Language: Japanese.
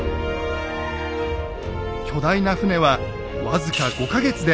巨大な船は僅か５か月で完成します。